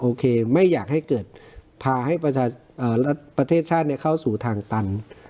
โอเคไม่อยากให้เกิดพาให้ประเทศชาติเข้าสู่ทางตัน